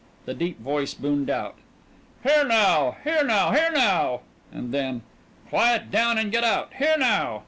The deep voice boomed out: "Here now! Here now! Here now!" And then: "Quiet down and get out! Here now!"